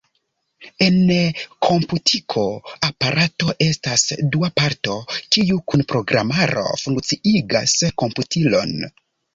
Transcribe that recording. En komputiko aparato estas dua parto, kiu kun programaro funkciigas komputilon.